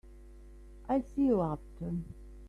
I'll see you after.